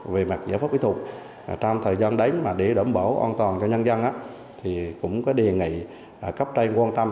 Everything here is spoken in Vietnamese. về mặt giải pháp kỹ thuật trong thời gian đấy mà để đẩm bổ an toàn cho nhân dân thì cũng có đề nghị cấp tranh quan tâm